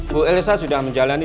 bu elisa sudah menjalani